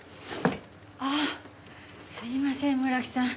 あぁすいません村木さん。